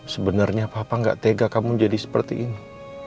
sebenarnya papa gak tega kamu jadi seperti ini